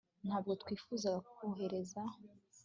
ntabwo twifuzaga kohereza